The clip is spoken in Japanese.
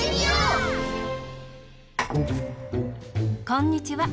こんにちは。